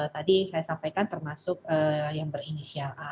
tadi saya sampaikan termasuk yang berinisial a